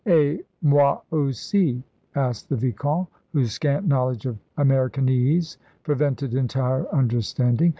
"Et moi aussi?" asked the vicomte, whose scant knowledge of Americanese prevented entire understanding.